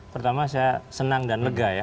pertama saya senang dan lega ya